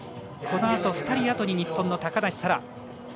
このあと２人あとに日本の高梨沙羅